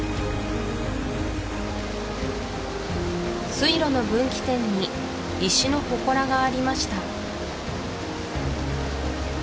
水路の分岐点に石の祠がありました